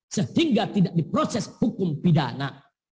sehingga tidak diproses hukum pidana